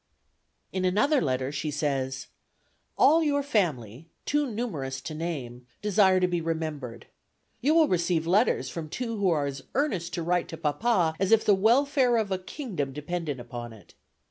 In another letter she says: "All your family, too numerous to name, desire to be remembered. You will receive letters from two who are as earnest to write to papa as if the welfare of a kingdom depended upon it."